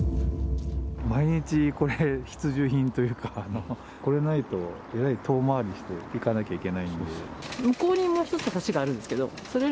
毎日、これ、必需品というか、これないと、えらい遠回りして行かなきゃいけないんですよ。